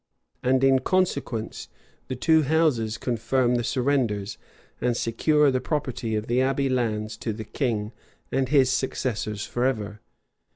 And in consequence, the two houses confirm the surrenders, and secure the property of the abbey lands to the king and his successors forever.